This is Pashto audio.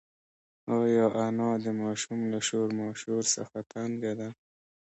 ایا انا د ماشوم له شور ماشور څخه تنگه ده؟